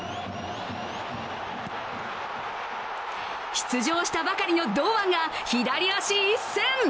出場したばかりの堂安が左足いっせん。